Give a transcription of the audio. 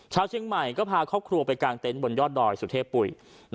ชาวเชียงใหม่ก็พาครอบครัวไปกางเต็นต์บนยอดดอยสุเทพปุ๋ย